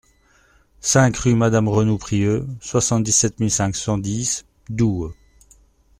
cinq rue Madame Renoux Prieux, soixante-dix-sept mille cinq cent dix Doue